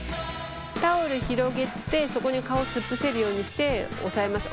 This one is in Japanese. タオル広げてそこに顔突っ伏せるようにして押さえます。